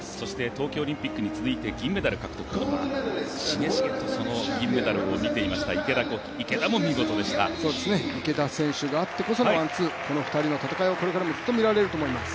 東京オリンピックに続いて銀メダル獲得しげしげとその銀メダルを見ていました池田選手があってこそのワンツー、この２人の戦いをこれからもずっと見られると思います。